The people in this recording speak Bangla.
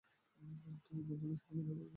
তো, বন্ধুদের সাথে মজা হয়েছে?